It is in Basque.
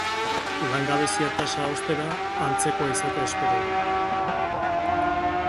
Langabezia tasa, ostera, antzekoa izatea espero du.